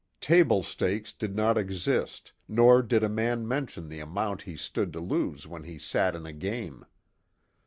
"Table stakes" did not exist, nor did a man mention the amount he stood to lose when he sat in a game.